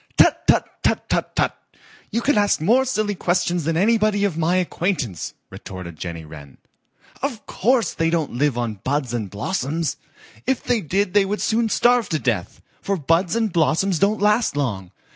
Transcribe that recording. "Tut, tut, tut, tut, tut! You can ask more silly questions than anybody of my acquaintance," retorted Jenny Wren. "Of course they don't live on buds and blossoms. If they did they would soon starve to death, for buds and blossoms don't last long.